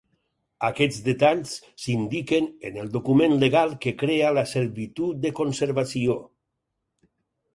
Aquests detalls s'indiquen en el document legal que crea la servitud de conservació.